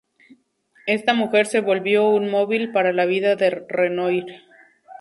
Esta mujer se volvió un móvil para la vida de Renoir.